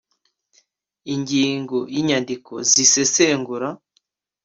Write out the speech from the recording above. Ingingo y’Inyandiko z isesengura.